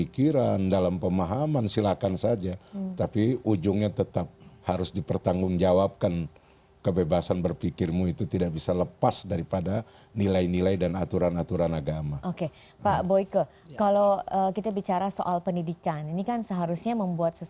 kalau yang umumnya